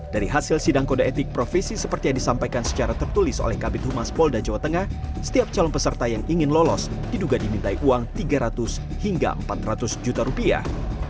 dari hasil sidang kode etik profesi seperti yang disampaikan secara tertulis oleh kabit humas polda jawa tengah setiap calon peserta yang ingin lolos diduga dimintai uang tiga ratus hingga empat ratus juta rupiah